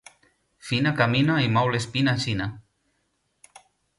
Fina camina i mou l'espina aixina